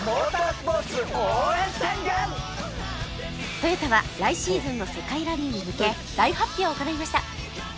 トヨタは来シーズンの世界ラリーに向け大発表を行いました